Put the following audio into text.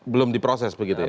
belum di proses begitu ya